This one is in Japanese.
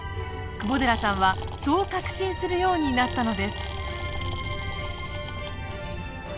窪寺さんはそう確信するようになったのです。